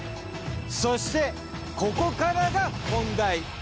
そしてここからが本題。